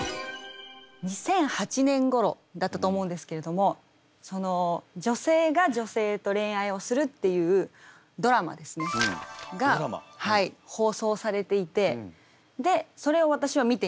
２００８年ごろだったと思うんですけれども女性が女性と恋愛をするっていうドラマが放送されていてそれを私は見ていました。